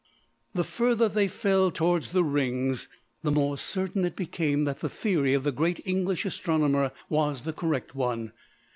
The further they fell towards the rings the more certain it became that the theory of the great English astronomer was the correct one.